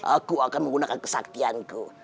aku akan menggunakan kesaktianku